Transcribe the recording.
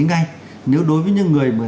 ngay nếu đối với những người mà